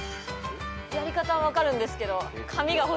やり方は分かるんですけど。